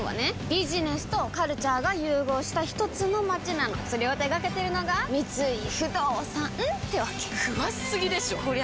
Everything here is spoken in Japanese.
ビジネスとカルチャーが融合したひとつの街なのそれを手掛けてるのが三井不動産ってわけ詳しすぎでしょこりゃ